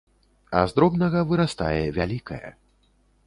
А з дробнага вырастае вялікае.